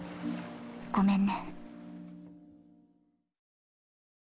ごめんね。